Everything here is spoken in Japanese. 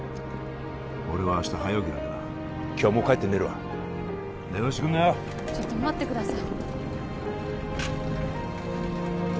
俺は明日早起きなんでな今日はもう帰って寝るわ電話してくんなよちょっと待ってください